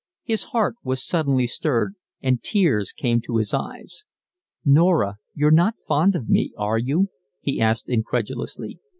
His heart was suddenly stirred, and tears came to his eyes. "Norah, you're not fond of me, are you?" he asked, incredulously.